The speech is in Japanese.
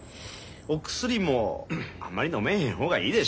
お薬もあんまりのめへん方がいいでしょう。